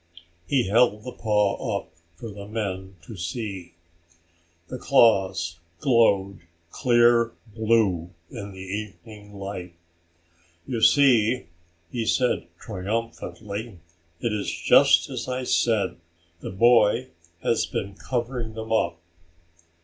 He held the paw up for the men to see. The claws glowed clear blue in the evening light. "You see," he said, triumphantly, "it is just as I said. The boy has been covering them up."